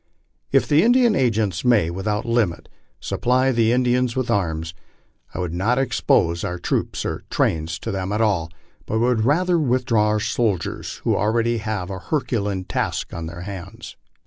If the Indian agents may, without limit, supply the Indians with arms, I would not expose our troops and trains to them at all, but would withdraw our soldiers, who already have a herculean task on their hands.